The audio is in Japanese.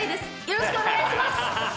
よろしくお願いします！